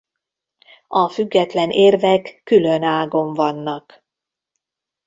A független érvek külön ágon vannak.